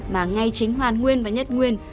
mà ngay chính hoàn nguyên và nhất nguyên